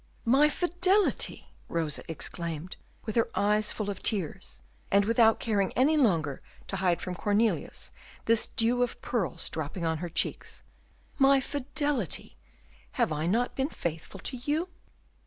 "My fidelity!" Rosa exclaimed, with her eyes full of tears, and without caring any longer to hide from Cornelius this dew of pearls dropping on her cheeks, "my fidelity! have I not been faithful to you?"